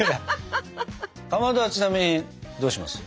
かまどはちなみにどうします？